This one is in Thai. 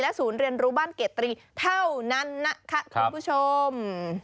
ศูนย์เรียนรู้บ้านเกตรีเท่านั้นนะคะคุณผู้ชม